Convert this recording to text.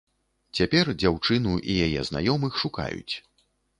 Цяпер дзяўчыну і яе знаёмых шукаюць.